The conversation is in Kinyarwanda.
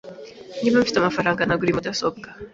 Niba mfite amafaranga, nagura iyi mudasobwa.